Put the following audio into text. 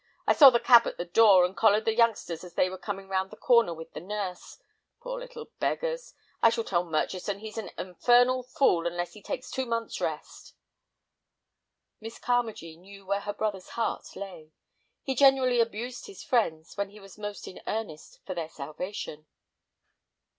I saw the cab at the door, and collared the youngsters as they were coming round the corner with the nurse. Poor little beggars. I shall tell Murchison he's an infernal fool unless he takes two months' rest." Miss Carmagee knew where her brother's heart lay. He generally abused his friends when he was most in earnest for their salvation.